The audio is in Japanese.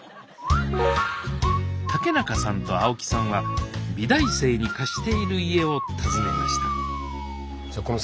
竹中さんと青木さんは美大生に貸している家を訪ねました